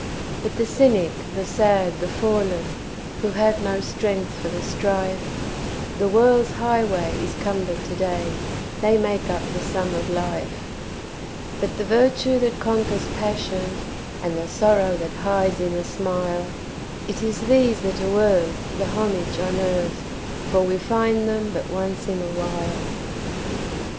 By the cynic, the sad, the fallen, Who had no strength for the strife, The world's highway is cumbered to day They make up the sum of life; But the virtue that conquers passion, And the sorrow that hides in a smile It is these that are worth the homage on earth, For we find them but once in a while.